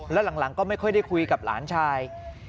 แล้วหลังก็ไม่ค่อยได้คุยกับหลานชาย